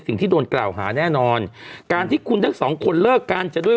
สิ่งที่โดนกล่าวหาแน่นอนการที่คุณทั้งสองคนเลิกกันจะด้วย